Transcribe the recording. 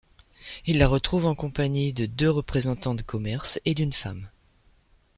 Il la retrouve en compagnie de deux représentants de commerce et d'une femme.